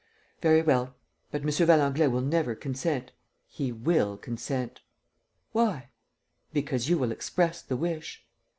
"Very well ... but M. Valenglay will never consent. ..." "He will consent." "Why?" "Because you will express the wish."